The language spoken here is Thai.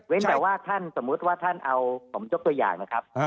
แต่ว่าท่านสมมุติว่าท่านเอาผมยกตัวอย่างนะครับ